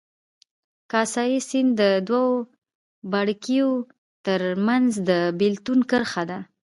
کاسای سیند د دوو پاړکیو ترمنځ د بېلتون کرښه ده.